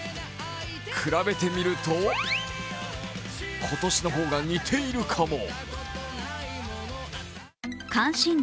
比べてみると今年の方が似ているかも。